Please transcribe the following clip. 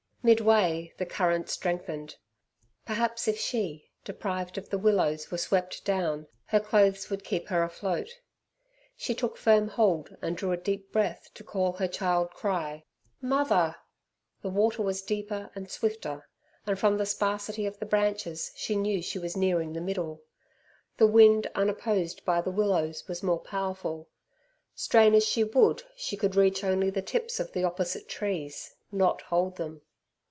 Midway the current strengthened. Perhaps if she, deprived of the willows, were swept down, her clothes would keep her afloat. She took firm hold and drew a deep breath to call her child cry, "Mother!" The water was deeper and swifter, and from the sparsity of the branches she knew she was nearing the middle. The wind unopposed by the willows was more powerful. Strain as she would, she could reach only the tips of the opposite trees, not hold them.